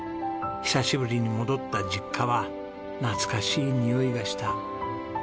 久しぶりに戻った実家は懐かしいにおいがした。